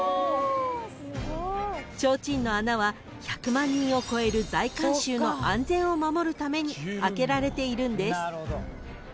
［提灯の穴は１００万人を超える大観衆の安全を守るためにあけられているんです］